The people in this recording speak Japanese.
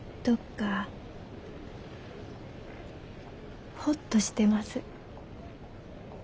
どっかほっとしてます。